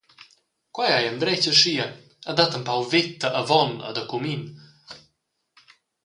Quei ei endretg aschia e dat empau veta avon e da cumin.